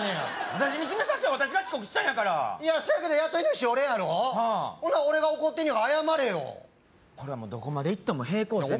私に決めさせ私が遅刻したんやからいやそやけど雇い主俺やろ？はあほな俺が怒ってんねやから謝れよこれはもうどこまでいっても平行線ですわ